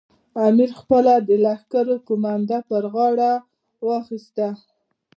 امیر پخپله د لښکر قومانده پر غاړه واخیستله.